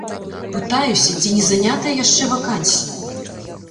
Пытаюся, ці не занятая яшчэ вакансія.